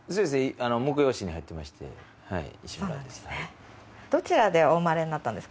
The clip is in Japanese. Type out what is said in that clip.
婿養子に入ってまして石村です。